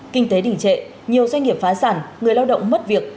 kinh tế đỉnh trệ nhiều doanh nghiệp phá sản người lao động mất việc